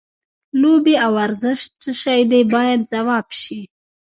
لوبې او ورزش څه شی دی باید ځواب شي.